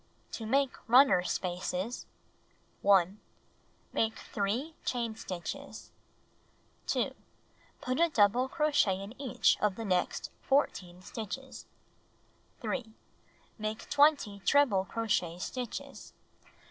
To Make Runner Spaces 1. Make 3 chain stitches. 2. Put a double crochet in each of'the next 14 stitches. 3. Make 20 treble crochet stitches.